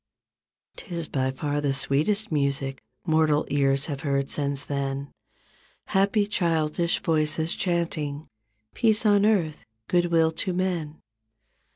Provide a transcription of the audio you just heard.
Tis by far the sweetest music Mortal ears have heard since then, Happy childish voices chanting "Peace on earth, good will to men."